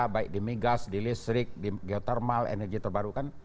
baik di migas di listrik di geothermal energi terbarukan